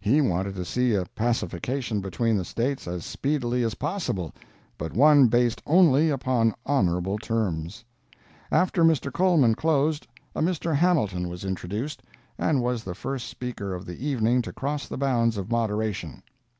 He wanted to see a pacification between the States as speedily as possible, but one based only upon honorable terms. After Mr. Coleman closed, a Mr. Hamilton was introduced, and was the first speaker of the evening to cross the bounds of moderation.